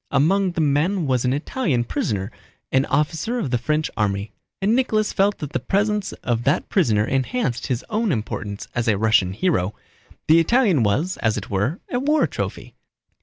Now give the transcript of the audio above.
Among the men was an Italian prisoner, an officer of the French army; and Nicholas felt that the presence of that prisoner enhanced his own importance as a Russian hero. The Italian was, as it were, a war trophy.